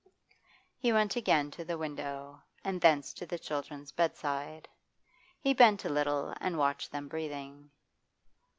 He went again to the window, and thence to the children's bedside. He bent a little and watched them breathing.